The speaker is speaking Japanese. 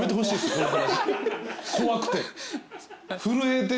怖くて。